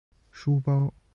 书包